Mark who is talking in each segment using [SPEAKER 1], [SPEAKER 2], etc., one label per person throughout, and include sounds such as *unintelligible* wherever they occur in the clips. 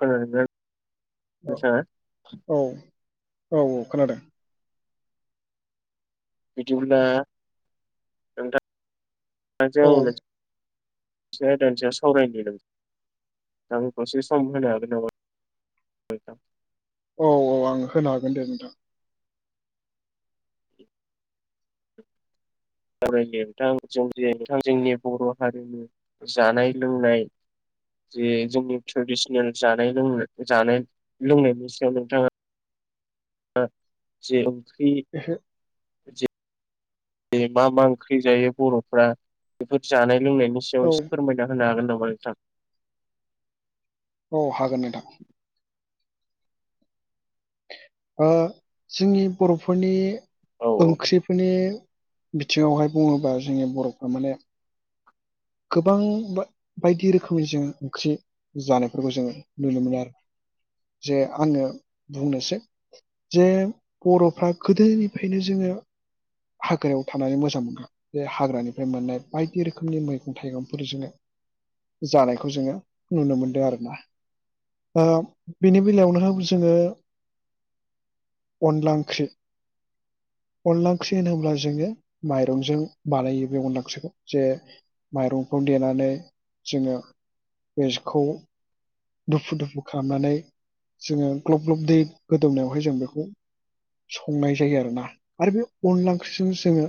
[SPEAKER 1] खैनादोंना
[SPEAKER 2] औ
[SPEAKER 1] नोंथाङा?
[SPEAKER 2] औ औ औ खोनादों।
[SPEAKER 1] बिदिब्ला
[SPEAKER 2] औ
[SPEAKER 1] नोंथांजों आं मोनसे दसे दानसेयाव सावरायनो नागिरदों आंनो‌ दसे सम होनो हागोन नामा? नोंथां।
[SPEAKER 2] औ औ आं होनो हागोन दे नोंथां।
[SPEAKER 1] सावराय बिथां जों ज जोंनि बर' हारिनि जानाय-लोंनाय जे जोंनि ट्रेडिसनेल जानाय लोंनाय जानाय लोंनायनि सायाव नोंथाङा जे ओंख्रि
[SPEAKER 2] एसे
[SPEAKER 1] *unintelligible* दे मा मा ओंख्रि जायो बर'फ्रा बेफोर जानाय-लोंनायनि
[SPEAKER 2] औ
[SPEAKER 1] एसेयाव एसे फोरमायना होनो हागोन नामा नोंथां।
[SPEAKER 2] औ हागोन मेदां जोंनि बर'फोरनि
[SPEAKER 1] औ
[SPEAKER 2] ओंख्रि फोरनि बिथिङावहाय बुङोबा जोंनि बर'फ्रा माने। गोबां बायदि रोखोमनि जोङ ओंख्रि जानायफोरखौ जोङो नुनो मोनो आरो। जे आङो बुंनोसै। जे बर'फ्रा गोदोनिफ्रायनो जोङो हाग्रायाव थानानै मोजां मोनो जे हाग्रानिफ्राय मोननाय बायदि रोखोमनि मैगं थाइगंफोरजोंनो। जानायखौ जोङो नुनो मोनदों आरोना। ओ बेनि बेलायावनो जोङो अनला ओंख्रि अनला ओंख्रि होनोब्ला जोङो माइरंजों बानायो बे अनला‌ ओंख्रिखौ जे माइरंखौ देनानै जोङो बेखौ। दुफु दुफु खालामनानै जोङो ग्लब ग्लब दै गोदौनायावहाय जों बेखौ। संनाय जायो आरोोना आरो बे अनला ओंख्रिजों जोङो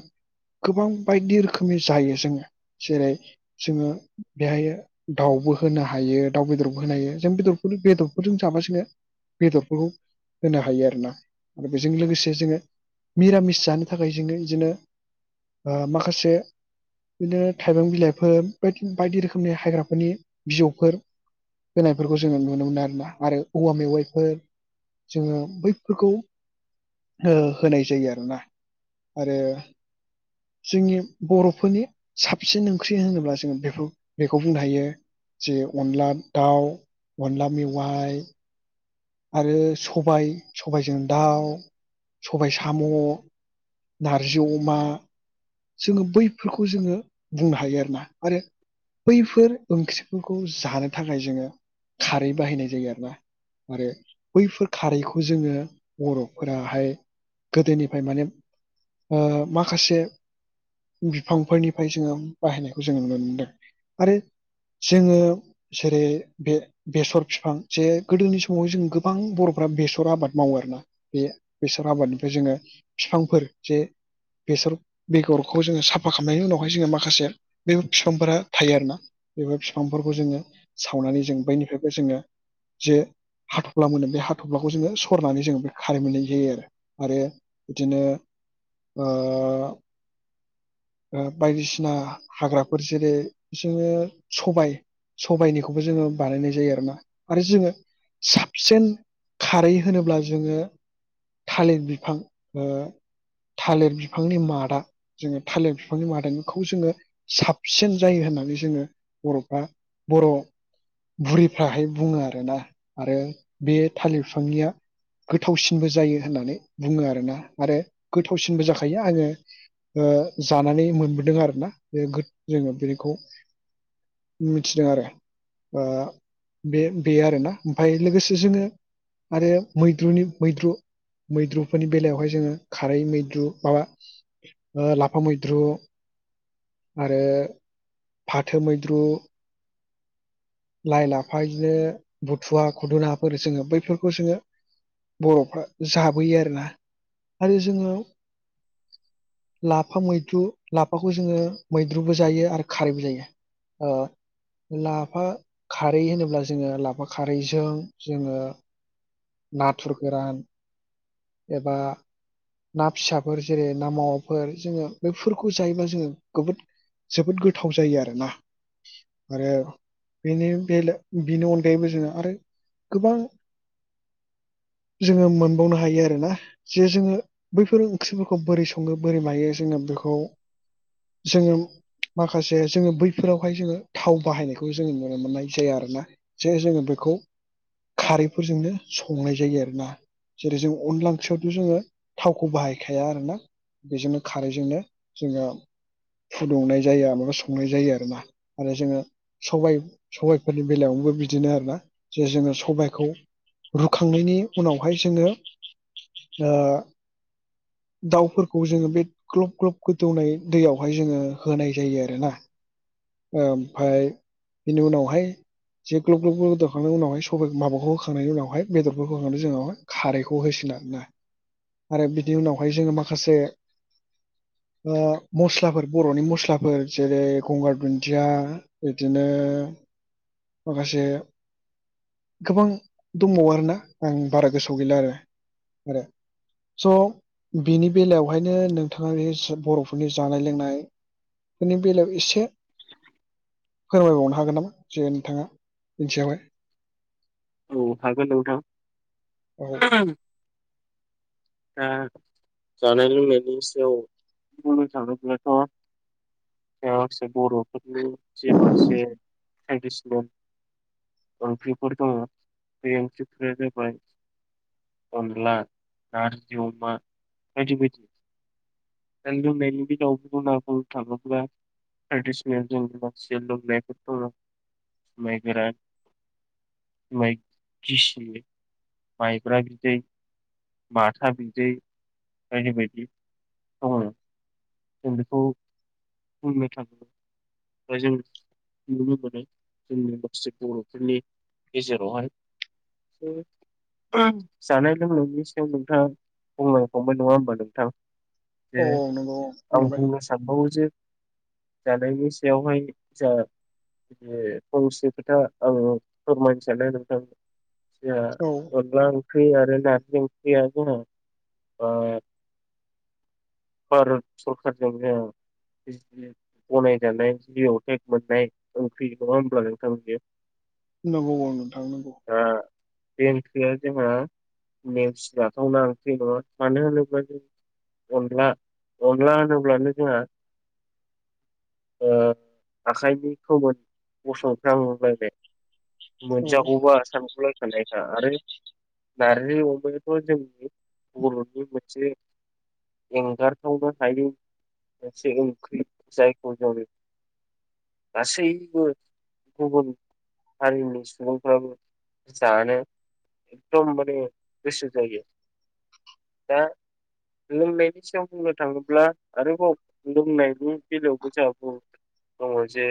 [SPEAKER 2] गोबां बायदि रोखोमनि जायो जोङो जेरै जोङो बेहाय दाउबो होनो हायो दाउ बेदरखौ। होन हायो जों बेरखौ बेदरखौ जों जाबासिनो बेदरफोरखौ होनो हायो आरो ना आरो बेजों लोगोसे जोङो। नििरामिस जानो थाखाय जोङो बिदिनो माखासे बिदिनो थाइबें बिलाइफोर बदि बायदि रोखोमनि हायाग्राफोरनि बिजौफोर। होनायफोरखौ जोङो नुनो मोनो आरोना आरो औवा मेवाइफोर जोङो बैफोरखौ होनाय जायो आरोना आरो जोंनि बर'फोरनि साबसिन ओंख्रि होनोब्ला जोङो बे बेखौ बुंनो हायो जे अनला दाउ अनला मेवाइ आरो सबाय सबायाइजों दाउ सबाय, साम' नारजि अमा जोङो बैफोरखौ जोङो बुंनो हायो आरोना आरो। बैफोर ओंख्रिफोरखौ जानो थाखाय जोङो खारै बाहायनाय जायो आरो ना। आरो बैफोर खारैखौ जोङो बर'फोराहाय। गोदोनिफ्राय माने माखासे बिफांफोरनिफ्राय जोङो बाहायनायखौ जोङो नुनो मोनदों आरो जोङो जेरै बे बेसर बिफां जे गोदोनि सम समाव जों गोबां बर'फ्रा बेसर आबाद मावो आरोोना बे बेसर आबादनिफ्राय जोङो। बिफांफोर जे बेसर बेगरखौ जोङो साफा खालामनायनि उनावहाय जोङो माखासे बे बिफांफोरा थायो आरोना बेबो बिफांफोरखौ जोङो सावनानै जों बैनिफ्रायबो जोङो जे हाथफ्ला मोनो बे हाथ'फ्लाखौ जोङो सरनानै जोङो बे खारै मोननाय जायो आरो आरो बिदिनो बायदिसिना हाग्राफोर जेरै जोङो सबाय सबायनिखौबो जोङो बानायनाय जायो आरोना आरो जोङो साबसिन खारै होनोब्ला जोङो थालिर बिफां थालिर बिफांनि मादा जोङो थालिर बिफांनि मादानिखौ जोङो साबसिन जायो होननानै जोङो बर'फ्रा बर' बुरिफ्राहाय बुङो आरो ना आरो बे थालिर बिफांनिया गोथावसिनबो जायो होननानै बुङो आरोना आरो गोथावसिनबो जाखायो आङो जानानै मोनबोदों आरोना बे जोङो बेनिखौ मिथिदों आरो बे बे आरोना ओमफ्राय लोगोसे जोङो आरो मैद्रुनि मैद्रु मैद्रुफोरनि बेलायावहाय जोङो खारै मैद्रु माबा ला फा मैद्रु आरो फाथो मैद्रु लाइ लाफा बिदिनो बुथुवा खुदुनाफोर जोङो बैफोरखौ जोङो बर'फ्रा जाबोयो आरोना आरो जोङो लाफा मैद्रु लाफाखौ जोङो मैद्रुबो जायो आरो खारैबो जायो लाफा खारै होनोब्ला जोङो लाफा खारैजों जोङो नाथुर गोरान एबा ना फिसाफोर जेरै ना मावाफोर जोङो बेफोरखौ जायोब्ला जोङो गोबोद जोबोद गोथाव जायो आरोना आरो बेनि बे बेनि अनगायैबो जोङो आरो गोबां जोङो मोनबावनो हायो आरोना जे जोङो बैफोर ओंख्रिफोरखौ बोरै सङो बोरै मायो जोङो बेखौ जोङो माखासे जोङो बैफोरावहाय जोङो थाव बाहायनायखौ जोङो नुनो मोननाय जाया आरो ना जे जोङो बेखौ खारैफोरजोंनो संनाय जायो आरो ना जेरै जों अनला ओंख्रियावथ' जोङो थावखौ बाहायखाया आरोना बेजोंनो खारैजोंनो जोङो फुदुंनाय जायो माबा संनाय जायो आरो मा आरो जोङो सब सबाइफोरनि बेलायावनोबो बिदिनो आरोना जे जोङो सबायखौ रुखांनायनि उनावहाय जोङो दाउफोरखौ जोङो बे ग्लब ग्लब गोदौनाय दैयावहाय जोङो होनाय जायो आरोना ओमफ्राय बेनि उनावहाय जे ग्लब ग्लब गोदौखांनायनि उनाहाय सबाय माबाखौ होखांनायनि उनावहाय बेदरफोरखौ होखादो जोंनावहाय खारैखौ होसिगोन आरोना आरो बिनि उनावहाय जोङो माखासे मस्लाफोर बर'नि मस्लाफोर जेरै गंगार दुन्दिया बिदिनो माखासे गोबां दंबावो आरोना आं बारा गोसोआव गैला आरो आरो स' बेनि बेलायावहायनो नोंथाङा बे बर'फोरनि जानाय लोंनाय बेनि बेलायाव एसे फोरमायबावनो हागोन नामा जे नोंथाङा इदियावहाय
[SPEAKER 1] औ हागोन नोंथां
[SPEAKER 2] औ
[SPEAKER 1] आ जानाय लोंनायनि सायाव *unintelligible* एयाव माखासे बर' *unintelligible* ट्रेडिसनेल ओंख्रिफोर दङ बे ओंख्रिफोरा जाबाय अनला नारजि अमा बायदि बायदि *unintelligible* ट्रेडिसनेल जोंनि माखासे लोंनायफोर दङ जुमाइ गोरान जुमाय गिसि मायब्रा बिदै माथा बिदै बायदि बायदि *unintelligible* जों बेखौ बुंनो थाङो फ्राय जों नुनो मोनो जोंनि माखासे बर'फोरनि गेजेरावहाय जानाय लोंनायनि सायाव नोंथाङा बुंंलां खांबाय नङा होमबा नोंथां
[SPEAKER 2] औ
[SPEAKER 1] जे
[SPEAKER 2] नंगौ।
[SPEAKER 1] आं
[SPEAKER 2] बुंलांबाय
[SPEAKER 1] बुंनो सानबावो जे जानायनि सायावहाय जा *unintelligible* फंसे खोथा आं फोरमायनो सानो नोंथां जोंहा
[SPEAKER 2] औ
[SPEAKER 1] अनला आंख्रि आरो नारजि ओंख्रिया जोंहा आ भारत सरखाराजों जोंहा *unintelligible* गनायजानाय जि अ टेक मोननाय ओंख्रि नङा होमब्ला नोंथां बियो?
[SPEAKER 2] नोंगौ औ नोंथां नोंगौ।
[SPEAKER 1] ओ बे ओंख्रिया जोंहा नेवसि जाथावना ओंख्रि नङा मानो होनोब्ला जों अनला अनला होनोब्लानो जोंहा ओ आखाइनि खोमोमोन गसंख्रां लायनाय
[SPEAKER 2] औ
[SPEAKER 1] मोनजागौबा सानगु लायखानायखा आरो नारजि अमायाथ' जोंनि बर'नि मोनसे एंगारथावनो हायै मोनसे ओंख्रि जायखौ जों गासैबो गुबुन हारिनि सुबुंफ्राबो जानो एकदम माने गोसो जायो। दा लोंनायनि सिगां बुंनो थाङोब्ला आरोबाव लोंनायनि बेलायावबो *unintelligible* दङ जे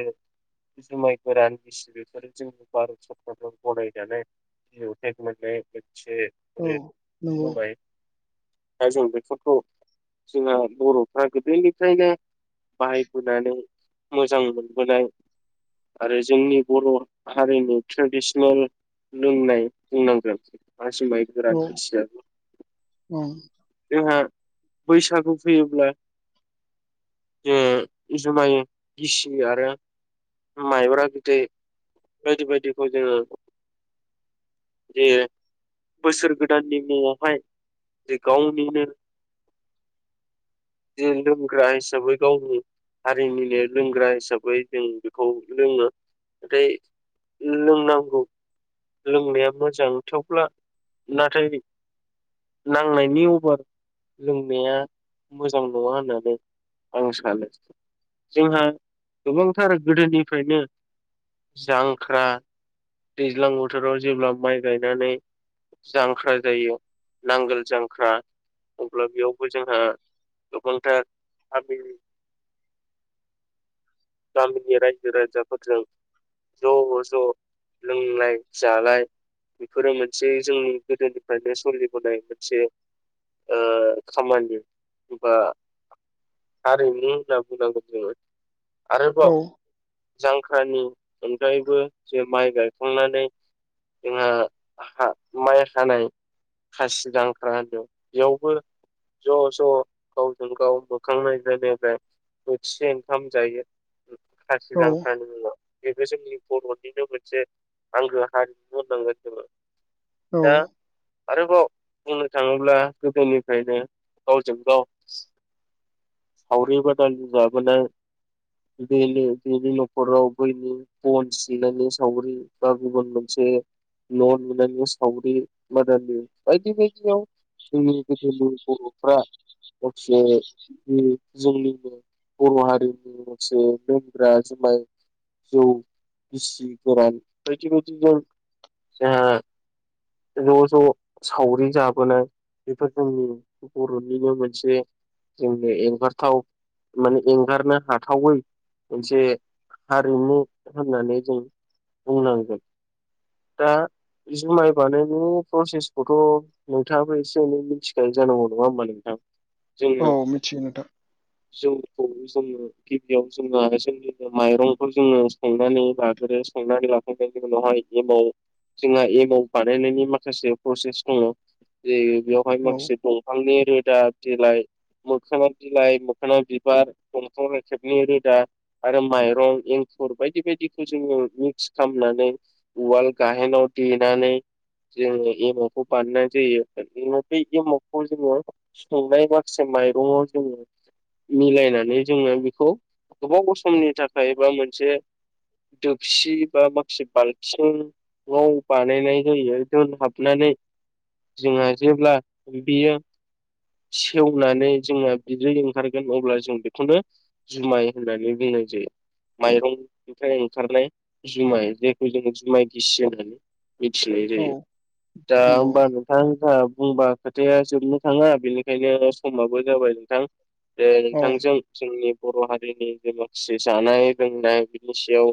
[SPEAKER 1] जुमाय गोरान गिसि बेफोरो जोंनि भारत सरकारजों गनाय जानाय जि अ टेक मोननाय मोनसे
[SPEAKER 2] औ
[SPEAKER 1] *unintelligible*
[SPEAKER 2] नंगौ
[SPEAKER 1] दा जों बेफोरखौ जोंहा बर'फ्रा गोदोनिफ्रायना बाहायबोनानै मोजां मोनबोनाय आरो जोंनि बर' हारिनि ट्रेडिसनेल लोंनाय बुंनांगोन *unintelligible* गोरान
[SPEAKER 2] औ
[SPEAKER 1] गिसिया
[SPEAKER 2] ओं
[SPEAKER 1] जोंहा बैसागु फैयोब्ला जों जुमाय गिसि आरो माइब्रा बिदै बायदि बायदिखौ जोङो जे बोसोर गोदाननि मुङावहाय जे गावनिनो
[SPEAKER 2] *inaudible*
[SPEAKER 1] जे लोंग्रा हिसाबै गावनि हारिनिनो लोंग्रा हिसाबै जों बेखौ लोङो नाथाय लोंनांगौ लोंनाया मोजां थेवब्ला नाथाय नांनायनि अभार लोंनाया मोजां नङा होननानै आं सानो। जोंहा गोबांथार गोदोनिफ्रायनो जांख्रा दैज्लां बोथोराव जेब्ला माइ गायनानै जांख्रा जायो नांगोल जांख्रा अब्ला बेयावबो जोंहा। गोबांथार *unintelligible* गामिनि रायजो रायजाफोरजों ज' ज' लोंलाय जालाय बेफोरो मोनसे जोंनि गोदोनिफ्रायनो सलिबोनाय मोनसे। खामानि बा हारिमु होनना बुंनांगौ जोङो। आरोबाव
[SPEAKER 2] औ
[SPEAKER 1] जांख्रानि अनगायैबो जे माइ गायखांनानै। जोंहा माइ हानाय खासि जांख्रा होनो बेयावबो। ज' ज' गावजों गाव मोखां नायलाय नायलाय बोथिसे ओंखाम जायो। खासि
[SPEAKER 2] औ
[SPEAKER 1] जांख्रानि उनाव बेबो जोंनि बर'निनो मोनसे आगो हारिमु होननांगोन जोङो।
[SPEAKER 2] औ
[SPEAKER 1] दा आरोबाव बुंनो थाङोब्ला गोदोनिफ्रायनो गावजों गाव सावरिबादाल जाबोनाय दि दि न' फरावबोयनि बन सिनि सावगरि बा गुबुन मोनसे। न' नुनानै सावरि बादानि बायदि बायदियाव जनि बर'फ्रा माखसे जोंनिबो बर' हारिनि। राज ज जौ गिसि गोरान बायदि बायदि जों जोंहा। ज' ज' सावरि जाबोनाय बेफोर जोंनि बर'निनो मोनसे। जोंनि एंगारथाव माने एंगारनो हा थावै मोनसे हारिमु होननानै जों बुंनांगोन दा जुमाय बानायनायनि प्रसेसखौथ' नोंथाङाबो एसे एनै मिथिखायो जानांगौ नङा होमबा नोंथां।
[SPEAKER 2] औ मिथियोन नोंथां
[SPEAKER 1] जोंखौ जोंनो *unintelligible* माइरंखौ जोंनो संनानै बे लेभेलावहाय एबव जोंहा एबाव बानायनायनि माखासे प्रसेस दङ। ज बेहाय
[SPEAKER 2] औ
[SPEAKER 1] मसेथ' आालनि रोदा बिलाइ मोखोनाव बिलाइ मोखोनाव बिबार दंफां र खेबनि रोदा आरो माइरं एंखुर बायदि बायदिखौ जोङो मिक्स खालामनानै। उवाल गाय न इनानानै ज मखौ फानो म संनाय माखासे माइरङाव जोङो मिलायनानै जोङो। खौ गोबाव समनि थाखाय बा मोनसे। दोबसि बा माखासे बाल्थिं औ पानि न जयो द हफनानानै जोंहा जेब्ला बियो। सेवनानै जोंना बिदै ओंखारगोन अब्ला जों बेखौनो। जुमाय होननानै बुंनाय जायो। माइरंनिफ्राय ओंखारनाय जुमाय जायखौ जों जुमाय गिसियोनो मिथिनाय
[SPEAKER 2] औ
[SPEAKER 1] जायो दा
[SPEAKER 2] नंगौ
[SPEAKER 1] होमबा नों नोंथां बुंबा खोथाया जोबनो थाङा बेनिखायनो समाबो जाबाय नोंथां। बे
[SPEAKER 2] औ
[SPEAKER 1] नोंथांजों जोंनि बर' हारिनि जे माखसे जानाय लोंनाय बिनि सायाव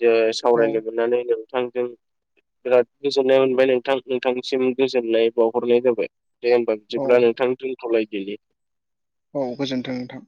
[SPEAKER 1] ज
[SPEAKER 2] औ
[SPEAKER 1] सावरायलाय मोनोननानै नोंथांजों बिराद गोजोननाय मोनबाय नोंथां नोंथांसिम गोजोननाय बावहरनाय जाबाय। दे होमबा
[SPEAKER 2] औ
[SPEAKER 1] बिदिब्ला नोंथां जों दोथलायदिनि
[SPEAKER 2] औ गोजोन्थों नोंथां।